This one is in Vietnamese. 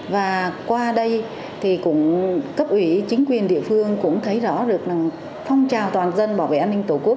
và qua đây thì cấp ủy chính quyền địa phương cũng thấy rõ được phong trào toàn dân bảo vệ an ninh tổ quốc